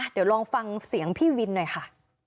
เดี๋ยวลองฟังเสียงพี่วินหน่อยค่ะ